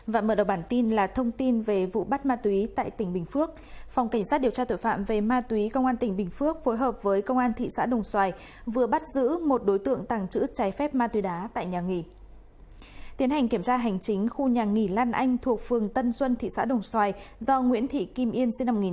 các bạn hãy đăng ký kênh để ủng hộ kênh của chúng mình nhé